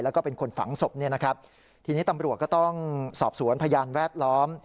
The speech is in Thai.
แล้วก็เป็นคนฝังศพเนี่ยนะครับทีนี้ตำรวจก็ต้องสอบสวนพยานแวดล้อม